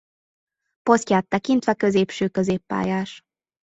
Posztját tekintve középső középpályás.